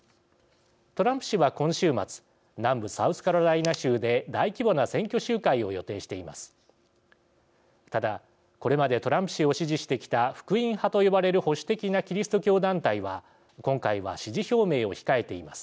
トランプ氏は今週末南部サウスカロライナ州で大規模な選挙集会を予定しています。